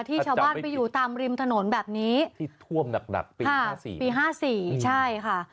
ที่ชาวบ้านไปอยู่ตามริมถนนแบบนี้ที่ท่วมหนักปี๕๔ใช่ค่ะ